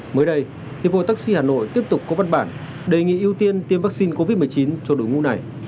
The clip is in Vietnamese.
mới đây hiệp hội taxi hà nội tiếp tục có văn bản đề nghị ưu tiên tiêm vaccine covid một mươi chín cho đội ngũ này